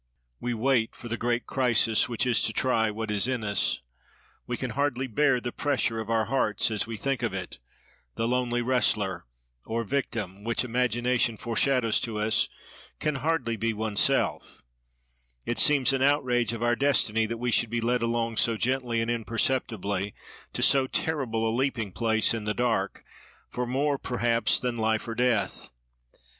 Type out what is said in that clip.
—We wait for the great crisis which is to try what is in us: we can hardly bear the pressure of our hearts, as we think of it: the lonely wrestler, or victim, which imagination foreshadows to us, can hardly be one's self; it seems an outrage of our destiny that we should be led along so gently and imperceptibly, to so terrible a leaping place in the dark, for more perhaps than life or death.